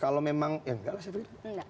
kalau memang ya enggak lah saya pikir